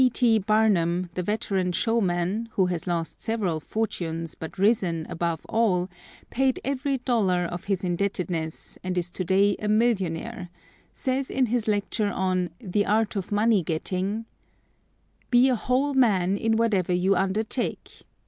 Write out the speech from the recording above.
P. T. Barnum, the veteran showman, who has lost several fortunes but risen above all, paid every dollar of his indebtedness, and is to day a millionaire, says in his lecture on 'The Art of Money Getting': "Be a whole man in whatever you undertake.